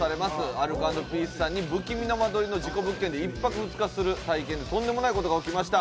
アルコ＆ピースさんに不気味な間取りの事故物件で１泊２日する体験でとんでもないことが起きました。